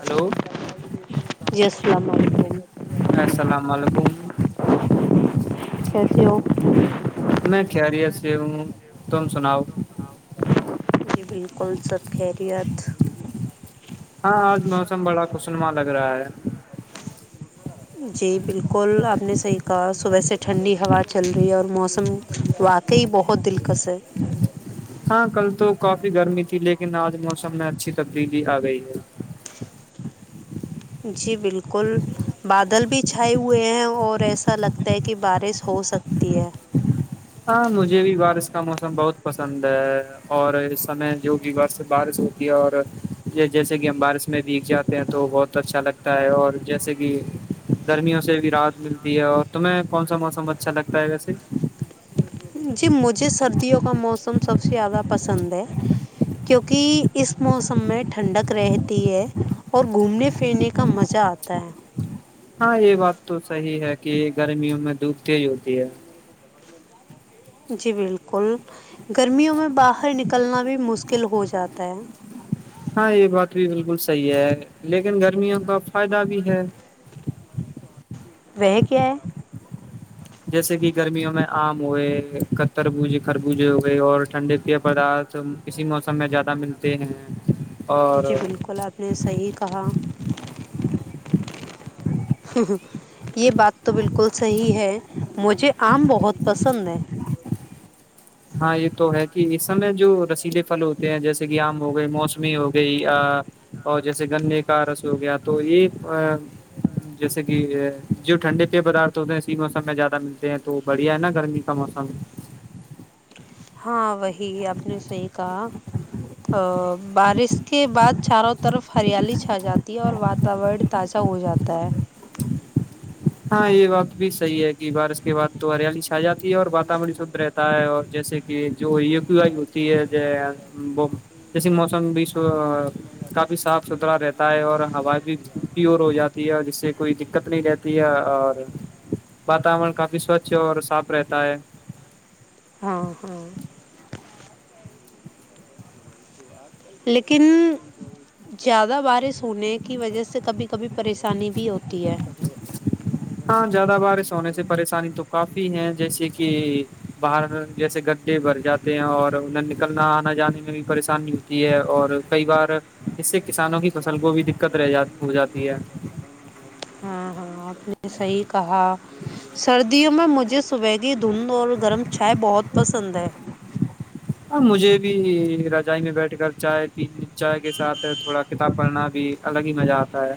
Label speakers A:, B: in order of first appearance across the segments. A: hello السلام [inaudible]
B: ایسے ہو
A: میں خیریت سے ہوں تم سناؤ
B: بالکل سب خیریت
A: ہاں آج موسم بڑا خسنما لگ ہے [unintelligible]
B: جی بالکل آپ نے صحیح کہا صبح سے ٹھنڈی ہوا چل رہی ہے اور موسم واقعی بہت دلکس ہے
A: ہاں کل تو کافی گرمی تھی لیکن آج موسم میں اچھی تبدیلی آ گئی ہے
B: جی بالکل بادل بھی چھائے ہوئے ہیں اور ایسا لگتا ہے کہ بارش ہو سکتی ہے
A: ہاں مجھے بھی بارش کا موسم بہت پسند ہے اور اس سمے جو بھی بارش ہوتی ہے اور جیسے کہ ہم باراس میں بھیگ جاتے ہیں تو بہت اچھا لگتا ہے اور جیسے کہ گرمیوں سے بھی راتت ملتی ہے اور تمہیں کون سا موسم اچھا لگتا ہے ویسے
B: جی مجھے سردیوں کا موسم سب سے زیادہ پسند ہے کیونکہ اس موسم میں ٹھنڈک رہتی ہے اور گھومنے پھرنے کا مزہ آتا ہے
A: ہاں یہ بات تو صحیح ہے کہ گرمیوں میں دوپ ت ہی ہوتی ہے
B: جی بالکل گرمیوں میں باہر نکلنا بھی مسکل کل ہو جاتا ہے
A: ہاں یہ بات بھی بالکل صحیح ہے لیکن گرمیوں کا فائدہ بھی ہے
B: [unintelligible]
A: جیسے کہ گرمیوں میں آم ہوئے کتر بوجے خربوجے ہو گئے اور ٹھنڈے پ پدارتھ اسی موسم میں زیادہ ملتے ہیں اور
B: جی بالکل آپ نے صحیح کہا یہ بات تو بالکل صحی ہے مجھے آم بہت پسند ہے
A: ہاں یہ تو ہے کہ اس سمے جو رسیلے پھل ہوتے ہیں جیسے کہ آم ہو گئے موسمی ہو گئی اور جیسے گنے کا رس ہو گیا تو یہ جیسے کہ جو ٹھنڈے پی پدارت ہوتے ہیں اسی موسم میں زیادہ ملتے ہیں تو بڑھیا ہے نا گرمی کا موسم
B: ہاں وہی آپ نے صحیح کہا ا باراس کے بعد چاروں طرف ہریالی چھا جاتی ہے اور واتاور تازہ ہو جاتا ہے
A: ہاں یہ بات بھی صحیح ہے کہ بارش کے بعد تو ہریالی چ آ جاتی ہے اور واتورن شھ رہتا ہے اور جیسے کہ جو و آئی ہوتی ہے وہ جیسے موسم بھی کافی صاف ستھرا رہتا ہے اور ہوا بھی پیور ہو جاتی ہے اور جس سے کوئی دقت نہیں رہتی اور واتورن کافی سوچھ اور صاف رہتا ہے
B: ہاں ہاں لیکن زیادہ باراس ہونے کی وجہ سے کبھی کبھی پریسانی بھی ہوتی ہے
A: ہاں زیادہ بارش ہونے سے پریشانی تو کافی ہے جیسے کہ باہر جیسے گڈھے بھر جاتے ہیں اور انہیں نکلنا آنا جانے میں بھی پریشانی ہوتی ہے اور کئی بار اس سے کسانوں کی فصل کو بھی دقت رہ جات ہو جاتی ہے
B: [unintelligible] [unintelligible] مجھے سبیگی دھند اور گرم چائے بہت پسند ہے
A: ا مجھے بھی رجائی میں بیٹھ کر چائے پ چائے کے ساتھ تھوڑا کتاب پڑھنا بھی الگ ہی مزہ آتا ہے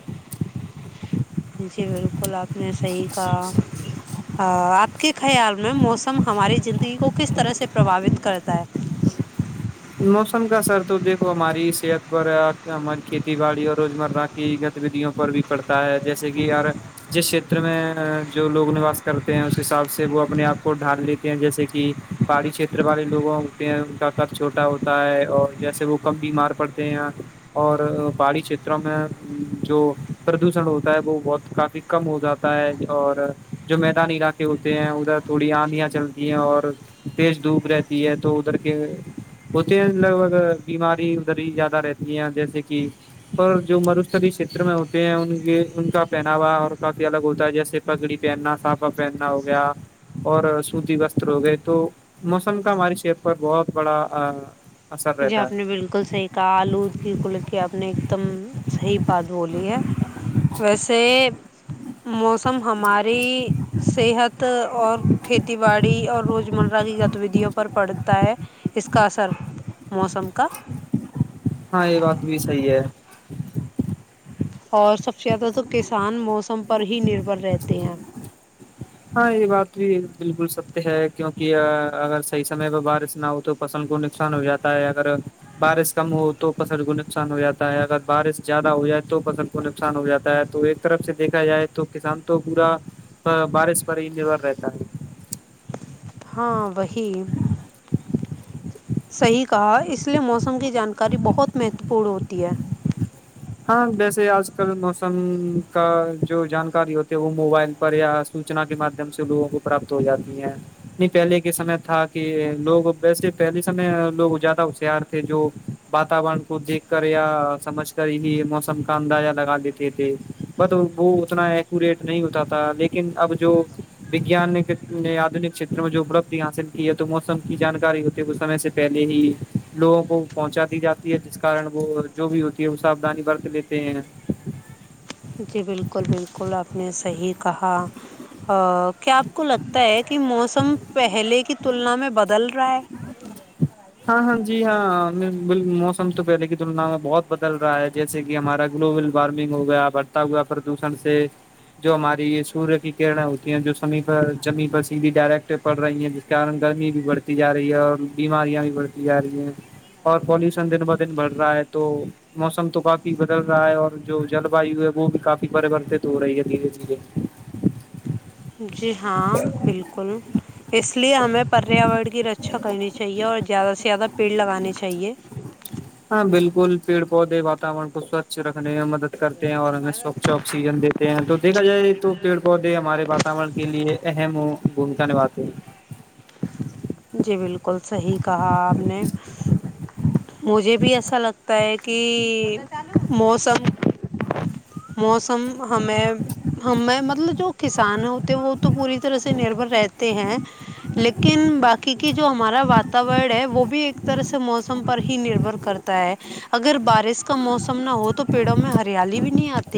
B: جی بالکل آپ نے صحیح کہ اپ کے خیال میں موسم ہماری زندگی کو کس طرح سے پرباوت کرتا ہے
A: موسم کا اثر تو دیکھو ہماری صحت پر ہماری کھیتی باڑی اور روز مرہ کی گتی ودیوں پر بھی پڑتا ہے جیسے کہ ار جس چھیتر میں جو لوگ نواس کرتے ہیں اس حساب سے وہ اپنے آپ کو ڈھال لیتے ہیں جیسے کہ پہای چھیتر والے لوگوں ہوتے ہیں ان کا چھوٹا ہوتا ہے اور جیسے وہ کم بیمار پڑتے ہیں اور پہاڑی چھیتروں میں جو پردوشن ہوتا ہے وہ بہت کافی کم ہو جاتا ہے اور جو میدانی علاقے ہوتے ہیں ادھر تھوڑی آندھیاں چلتی ہیں اور تیز دھوپ رہتی ہے تو ادھر کے ہوتے ہیں لگ بھگ بیماری ادھر ہی زیادہ رہتی ہے جیسے کہ اور جو مروستلی چھیتر میں ہوتے ہیں ان کے ان کا پہناوا اور کافی الگ ہوتا ہے جیسے پگڑی پہننا ساپا پہننا ہو گیا اور سوتی وستر ہو گئے تو موسم کا ہماری شت پر بہت بڑا [unintelligible]
B: جی آپ نے
A: ہے
B: بالکل صحیح کہا آلود کی کل کی آپ نے ایک دم صحیح بات بولی ہے ویسے موسم ہماری صحت اور کھیتی باڑی اور روزمرہ کی گتیویددیوں پر پڑتا ہے اس کا اثر موسم کا
A: ہاں یہ بات بھی صی ہے
B: اور سب سے زیادہ تو کسان موسم پر ہی نربھر رہتے ہیں
A: ہاں یہ بات بھی بالکل ستیہ ہے کیونکہ اگر صحیح سم پہ بارش نہ ہو تو فصل کو نقصان ہو جاتا ہے اگر بارش کم ہو تو فصل کو نقصان ہو جاتا ہے اگر بارش زیادہ ہو جائے تو فصل کو نقصان ہو جاتا ہے تو ایک طرف سے دیکھا جائے تو کسان تو پورا بارش ب رہتا ہے
B: ہاں وہی صیح کہا اس لیے موسم کی جانکاری بہت مہتو پورن ہوتی ہے
A: ہاں ویسے آج کل موسم کا جو جانکاری ہوتی ہے وہ موبائل پر یا سوچنا کے ماددھیم سے لوگوں کو پراپت ہو جاتی ہیں نہیں پہلے کے سمے تھا کہ لوگ ویسے پہلے سمے لوگ زیادہ ہوشیار تھے جو واتورن کو دیکھ کر یا سمجھ کر ہی موسم کا اندازہ لگا دیتے تھے ب وہ اتنا ایکوریٹ نہیں ہوتا تھا لیکن اب جو وگان نے آدنک کت میں جو اپلبد حاصل کی ہے تو موسم کی جانکاری ہوتی وہ سمے سے پہلے ہی لوگوں کو پہنچا دی جاتی ہے جس کارن وہ جو بھی وہ سادانی برت لیتے ہیں
B: جی بالکل بالکل آپ نے صحیح کہا کیا آپ کو لگتا ہے کہ موسم پہلے کی تلنا میں بدل رہا ہے
A: ہاں ہاں جی ہاں موسم تو پہلے کی تلنا میں بہت بدل رہا ہے جیسے کہ ہمارا گلوبل وارمنگ ہو گیا بڑھتا ہوا پردوشن سے جو ہماری یہ سوریہ کی کرنیں ہوتی ہیں جو س پر جمی پر سیدھی ڈائریکٹ پڑ رہی ہیں جس کے کارن گرمی بھی بڑتی جا رہی ہے اور بیماریاں بھی بڑھتی جا رہی ہیں اور پولوشن دن ب دن بڑھ رہا ہے تو موسم تو کافی بدل رہا ہے اور جو جل وایو ہے وہ بھی کافی پریوررتت ہو رہی ہے دھیرے دھیرے
B: جی ہاں بالکل اس لیے ہمیں پریاور کی رچا اچھا کرنی چاہیے اور زیادہ سے زیادہ پیڑ لگانے چاہیے
A: ہاں بالکل پیڑ پودے واتاورن کو سوچھ رکھنے میں مدد کرتے ہیں اور ہمیں سوچھ آکسیجن دیتے ہیں تو دیکھا جائے تو پیڑ پودے ہمارے واتورن کے لیے اہم بھومکا نبھاتے ہیں
B: جی بالکل صحیح کہا آپ نے مجھے بھی ایسا لگتا ہے کہ موسم موسم ہمیں ہم مطلب جو کسان ہوتے ہیں وہ تو پوری طرح سے نربر رہتے ہیں لیکن باقی کی جو ہمارا واتاور ہے وہ بھی ایک طرح سے موسم پر ہی نربر کرتا ہے اگر بارش کا موسم نہ ہو تو پیڑوں میں ہریالی بھی نہیں آتی ت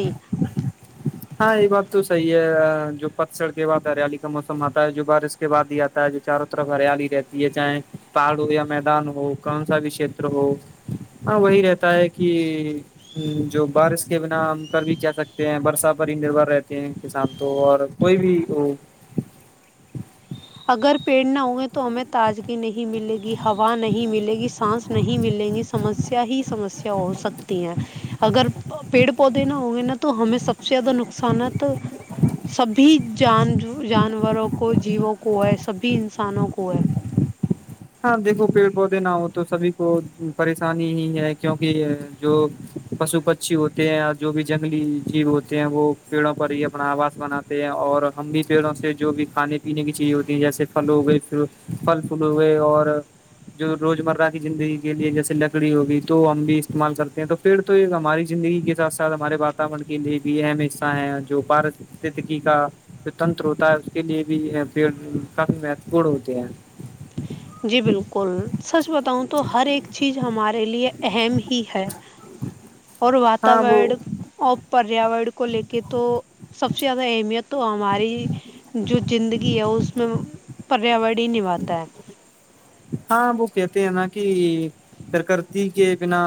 A: ہاں یہ بات تو صحیح ہے جو پتسڑ کے بعد ہریالی کا موسم آتا ہے جو بارش کے بعد ہی آتا ہے جو چاروں طرف ہریالی رہتی ہے چاہے پہاڑ ہو یا میدان ہو کون سا بھی چھیتر ہو ہاں وہی رہتا ہے کہ جو بارش کے بنا ہم کر بھی کہ سکتے ہیں برسا پر ہی نربھر رہتے ہیں کسان تو اور کوئی بھی وہ
B: اگر پیڑ نہ ہوں گے تو ہمیں تازگی نہیں ملے گی ہوا نہیں ملے گی سانس نہیں ملے گی سمسیا ہی سمسیا ہو سکتی ہیں اگر پیڑ پودے نہ ہوں گے نا تو ہمیں سب سے زیادہ نقصانات سبھی جان جانوروں کو جیوں کو ہے سبھی انسانوں کو ہے
A: ہاں دیکھو پیڑ پودے نہ ہو تو سبھی کو پریشانی ہی ہے کیوںکہ جو پشو پکچھیی ہوتے ہیں جو بھی جنگلی جیو ہوتے ہیں وہ پیڑوں پر ہی اپنا آواس بناتے ہیں اور ہم بھی پیڑوں سے جو بھی کھانے پینے کی چیز ہوتی ہیں جیسے پل ہو گئی پھل فل اور جو روز مرہ کی زندگی کے لیے جیسے لکڑی ہوگی تو ہم بھی استعمال کرتے ہیں تو پیھر تو یہ ہماری زندگی کے ساتھ ساتھ ہمارے واتاورن کے لیے بھی اہم حصہ ہیں جو پارستکی کا جو تنتر ہوتا ہے اس کے لیے بھی پ کافی مہتوپورن ہوتے ہیں
B: جی بالکل سچ بتاؤں تو ہر ایک چیز ہمارے لیے اہم ہے اور
A: ہاں وہ
B: واتور ا پریاور کو لے کے تو سب سے زیادہ اہمیت تو ہماری جو زندگی ہے اس میں پریاور ہی نبھاتا ہے
A: ہاں وہ کہتے ہیں نا کہ پرکرتی کے بنا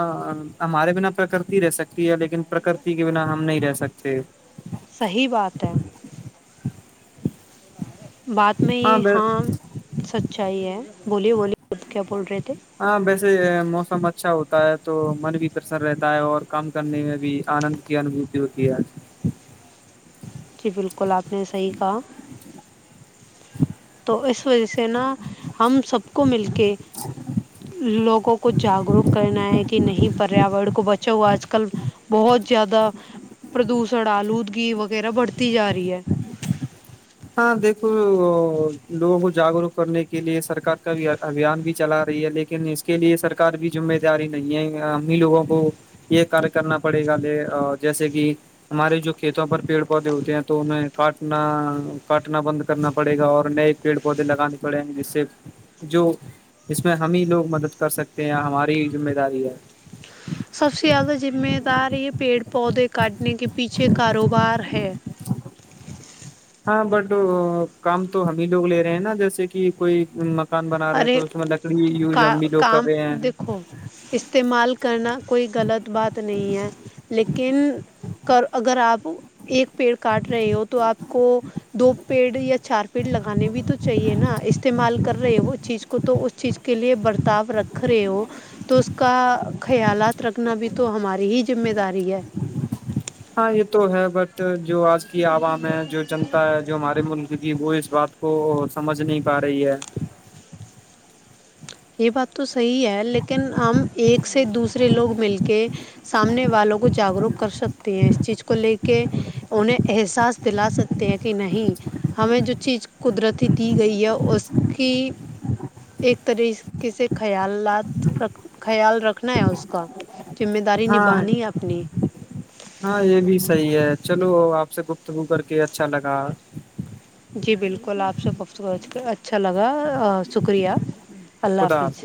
A: ہمارے بنا پرکرتی رہ سکتی ہے لیکن پرکرتی کے بنا ہم نہیں رہ سکتے
B: صحیح بات ہے بعات میں یہ ہاں سچائی ہے بولیے بولی کیا بول رہے تھے
A: ہاں ویسے موسم اچھا ہوتا ہے تو من بھی پرسن رہتا ہے اور کام کرنے میں بھی آنند کی انبوتی ہوتی ہے
B: جی بالکل آپ نے صحیح کہا تو اس وجہ سے نا ہم سب کو مل کے لوگوں کو جاگروک کرنا ہے کہ نہیں پریاورن کو بچا ہوا آج کل بہت زیادہ پردوشن آلودگی وغیرہ بڑھتی جا رہی ہے
A: ہاں دیکھو لوگوں کو جاگروک کرنے کے لیے سرک کا بھی ابھیان بھی چلا رہی ہے لیکن اس کے لیے سرک بھی مہ داری نہیں ہے ہم ہی لوگوں کو یہ کاریہ کرنا پڑے گا لے جیسے کہ ہمارے جو کھیتوں پر پیڑ پودے ہوتے ہیں تو انہیں کاٹنا کاٹنا بند کرنا پڑے گا اور نئے پیڑ پودے لگانے پڑیں گے جس سے جو اس میں ہم ہی لوگ مدد کر سکتے ہیں ہماری ذمہ داری ہے
B: سب سے زیادہ ذمہ دار یہ پیڑ پودے کاٹنے کے پیچھے کاروبار ہے
A: ہاں بٹ کام تو ہم ہی لوگ لے رہے ہیں نا جیسے کہ کوئی بنا رہے ہیں
B: ارے
A: تو اس میں لکڑی یوز
B: کا
A: ہم بھی لوگ کر
B: کام
A: رہے ہیں
B: دیکھو استعمال کرنا کوئی غلط بات نہیں ہے لیکن اگر آپ ایک پیڑ کاٹ رہے ہو تو آپ کو دو پیڑ یا چار پیڑ لگانے بھی تو چاہیے نا استعمال کر رہے ہو چیز کو تو اس چیز کے لیے برتاؤ رکھ رہے ہو تو اس کا خیالات رکھنا بھی تو ہماری ہی ذمہ داری ہے
A: ہاں یہ تو ہے بٹ جو آج کی عوام ہے جو جنتا ہے جو ہمارے ملک کی کہ وہ اس بات کو سمجھ نہیں پا رہی ہے
B: یہ بات تو صحیح ہے لیکن ہم ایک سے دوسرے لوگ مل کے سامنے والوں کو جاگروک کر سکتے ہیں اس چیز کو لے کے انہیں احساس دلا سکتے ہیں کہ نہیں ہمیں جو چیز قدرتی دی گئی ہے اس کی ایک طرح کسے خیالات خیال رکھنا ہے اس کا ذمہ داری
A: ہاں
B: نبھانی ہے اپنی
A: ہاں یہ بھی صحیح ہے چلو آپ سے گفتگو کر کے اچھا لگا
B: جی بالکل آپ سے گفتگچ اچھا لگا شکریہ اللہ حافظ